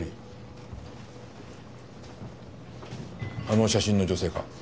あの写真の女性か？